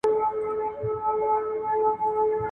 دغه حاجي دونه تېز دی چي هر څوک ورته حیران پاته کېږي.